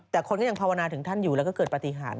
แต่คนก็ยังภาวนาถึงท่านอยู่แล้วก็เกิดปฏิหาร